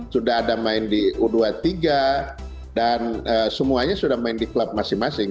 sudah ada main di u dua puluh tiga dan semuanya sudah main di klub masing masing